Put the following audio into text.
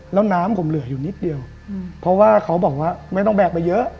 แล้วน้ำผมเหลืออยู่นิดเดียวเพราะว่าเขาบอกว่าไม่ต้องแบกไปเยอะ